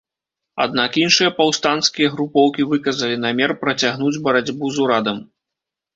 Аднак іншыя паўстанцкія групоўкі выказалі намер працягнуць барацьбу з урадам.